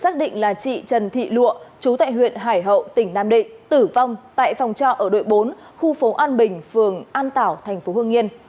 trần thị lụa chú tại huyện hải hậu tỉnh nam định tử vong tại phòng trọ ở đội bốn khu phố an bình phường an tảo thành phố hương yên